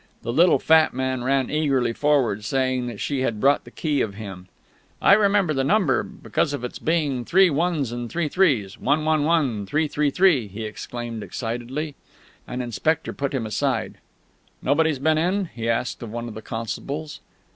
The little fat man ran eagerly forward, saying that she had bought the key of him. "I remember the number, because of it's being three one's and three three's 111333!" he exclaimed excitedly. An inspector put him aside. "Nobody's been in?" he asked of one of the constables.